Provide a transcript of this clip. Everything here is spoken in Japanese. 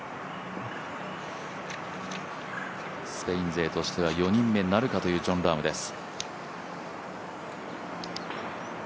スペイン勢としては４人目なるかというジョン・ラームです。